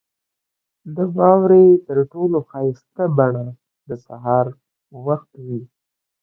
• د واورې تر ټولو ښایسته بڼه د سهار وخت وي.